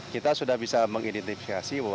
kita sudah bisa mengidentifikasi